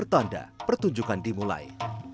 tanda pertunjukan dimulai